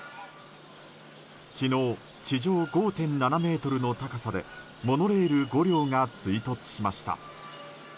昨日、地上５．７ｍの高さでモノレール５両が追突しました。